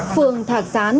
phường thạt gián